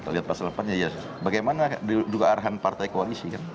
lihat pasal delapan ya bagaimana juga arahan partai koalisi kan